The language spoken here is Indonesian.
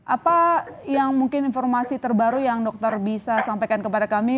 apa yang mungkin informasi terbaru yang dokter bisa sampaikan kepada kami